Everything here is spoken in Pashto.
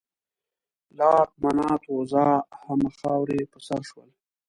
لات، منات، عزا همه خاورې په سر شول.